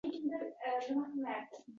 Biz yerning tortishish kuchini bilamiz.